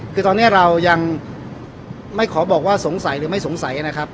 คือตอนนี้เรายังไม่ขอบอกว่าสงสัยหรือไม่สงสัยนะครับ